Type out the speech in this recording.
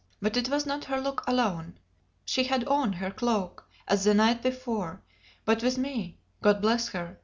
But it was not her look alone; she had on her cloak, as the night before, but with me (God bless her!)